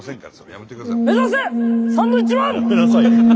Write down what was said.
やめなさいよ。